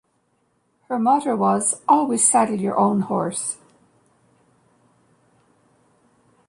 Her motto was, Always saddle your own horse.